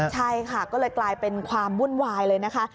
ใช่ค่ะก็เลยกลายเป็นความวุ่นวายเลยนะคะ